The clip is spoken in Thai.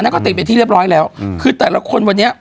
อันนั้นก็ติดไปที่เรียบร้อยแล้วคือแต่ละคนวันนี้